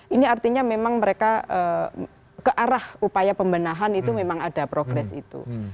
ini artinya memang mereka ke arah upaya pembenahan itu memang ada progres itu